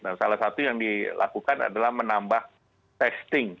nah salah satu yang dilakukan adalah menambah testing